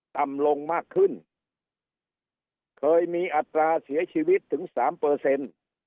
ต่ำลงมากขึ้นเคยมีอัตราเสียชีวิตถึงสามเปอร์เซ็นต์